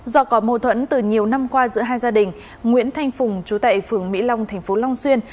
do có mâu thuẫn từ nhiều năm qua giữa hai gia đình nguyễn thanh phùng chú tại phường mỹ long thành phố long xuyên